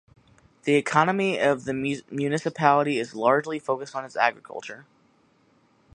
The economy of the municipality is largely focused on its agriculture.